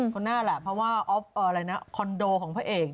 คนน่าแหละเพราะว่าคอนโดของพระเอก